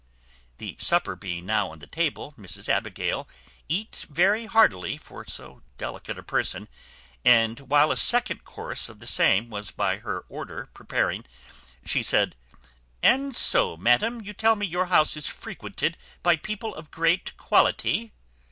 The supper being now on the table, Mrs Abigail eat very heartily for so delicate a person; and, while a second course of the same was by her order preparing, she said, "And so, madam, you tell me your house is frequented by people of great quality?"